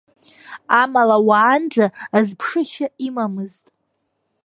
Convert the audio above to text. Амала уаанӡа зԥшышьа имамызт.